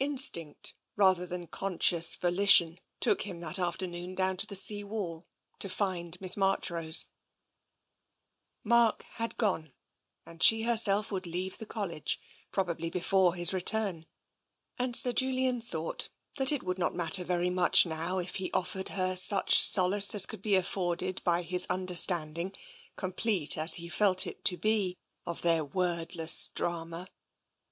Instinct, rather than conscious volition, took him that afternoon down to the sea wall, to find Miss March rose. 257 258 TENSION Mark had gone, and she herself would leave the Col lege, probably before his return, and Sir Julian thought that it would not matter very much now if he offered her such solace as could be afforded by his understand ing, complete as he felt it to be, of their wordless drama.